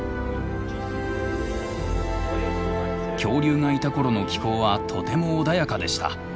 恐竜がいた頃の気候はとても穏やかでした。